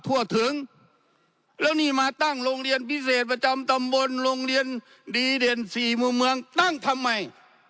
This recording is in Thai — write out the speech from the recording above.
ทั่วถึงแล้วนี่มาตั้งโรงเรียนพิเศษประจำตำบลโรงเรียนดีเด่นสี่หมู่เมืองตั้งทำไม